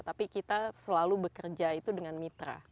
tapi kita selalu bekerja itu dengan mitra